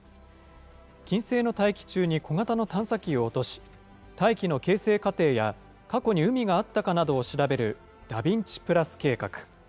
金星の大気中に小型の探査機を落とし、大気の形成過程や過去に海があったかなどを調べる、ＤＡＶＩＮＣＩ＋計画。